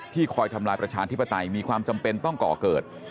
คอยทำลายประชาธิปไตยมีความจำเป็นต้องก่อเกิด